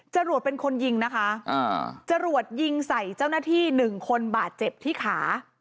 จรวดเป็นคนยิงนะคะจรวดยิงใส่เจ้าหน้าที่หนึ่งคนบาดเจ็บที่ขา